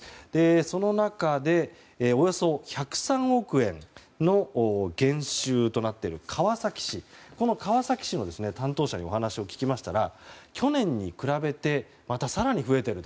その中で、およそ１０３億円の減収となっている川崎市の担当者にお話を聞きましたら去年に比べてまた更に増えていると。